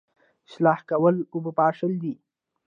اصلاح کول اوبه پاشل دي